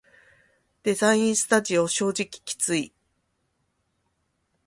デザインスタジオ正直きつい